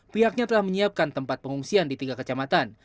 pihaknya telah menyiapkan tempat pengungsian di tiga kecamatan